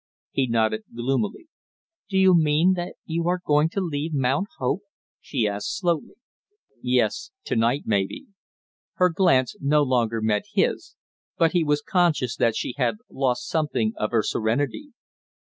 He nodded gloomily. "Do you mean that you are going to leave Mount Hope?" she asked slowly. "Yes, to night maybe." Her glance no longer met his, but he was conscious that she had lost something of her serenity.